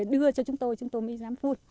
đưa cho chúng tôi chúng tôi mới dám phun